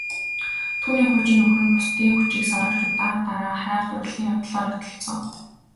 Түүний хуучин нөхөр нь бусдын хүчийг сорогч удаа дараа хайр дурлалын явдалд орооцолдсон.